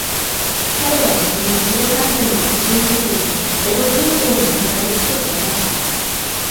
彼は後にテロ関連の殺人未遂とテログループへの参加で起訴されました。